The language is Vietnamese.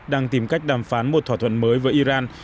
đang tìm cách đàm phán một thỏa thuận mới với iran